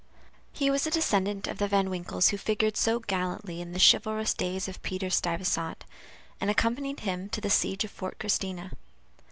He was a descendant of the Van Winkles who figured so gallantly in the chivalrous days of Peter Stuyvesant, and accompanied him to the siege of Fort Christina.